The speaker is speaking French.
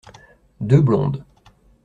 Deux blondes.